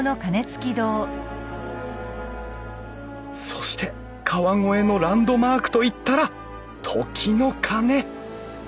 そして川越のランドマークといったら時の鐘